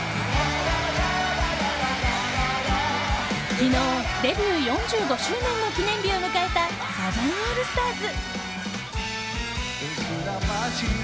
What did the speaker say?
昨日、デビュー４５周年の記念日を迎えたサザンオールスターズ。